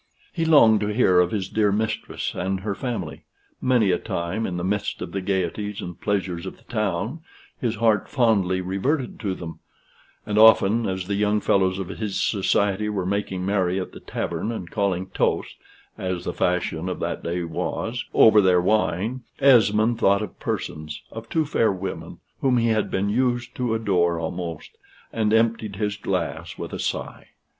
He longed to hear of his dear mistress and her family: many a time, in the midst of the gayeties and pleasures of the town, his heart fondly reverted to them; and often as the young fellows of his society were making merry at the tavern, and calling toasts (as the fashion of that day was) over their wine, Esmond thought of persons of two fair women, whom he had been used to adore almost, and emptied his glass with a sigh.